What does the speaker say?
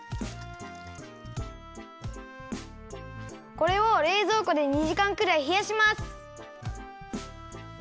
これをれいぞうこで２じかんくらいひやします。